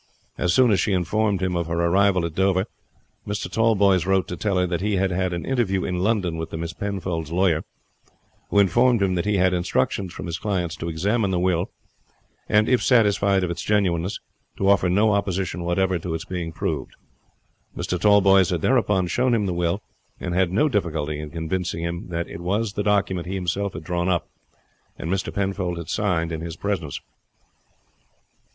As soon as she informed him of her arrival at Dover, Mr. Tallboys wrote to tell her that he had had an interview in London with the Miss Penfolds' lawyer, who informed him that he had instructions from his clients to examine the will, and if satisfied of its genuineness, to offer no opposition whatever to its being proved. Mr. Tallboys had thereupon shown him the will, and had no difficulty in convincing him that it was the document he himself had drawn up, and Mr. Penfold had signed in his presence.